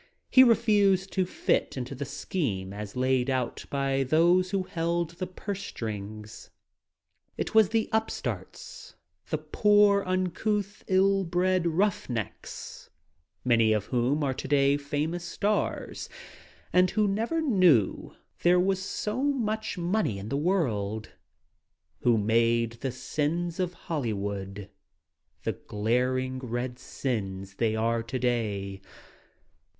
He refused to fit into the scheme as laid out by those who held the purse ■ It was the upstarts, the poor uncouth, ill bred "roughnecks/' many of whom are to day famous stars, and who never knew there was so much money in the world, who made the Sins of Holly wood the glaring, red sins they are tu day.